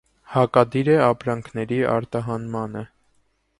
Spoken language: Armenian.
Հակադիր է ապրանքների արտահանմանը։